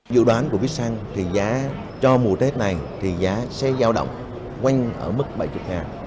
dự đoán của viet sang thì giá cho mùa tết này thì giá sẽ giao động quanh ở mức bảy mươi k